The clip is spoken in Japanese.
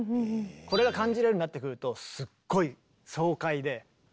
これが感じられるようになってくるとすっごい爽快で熱狂的になってくる。